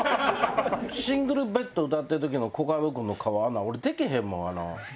『シングルベッド』歌ってる時のコカド君の顔あんなん俺できへんもん。